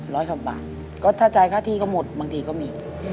กว่าบาทก็ถ้าจ่ายค่าที่ก็หมดบางทีก็มี